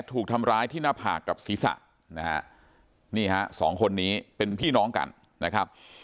ถูกทำร้ายที่หน้าผากกับศีรษะนะฮะนี่ฮะสองคนนี้เป็นพี่น้องกันนะครับ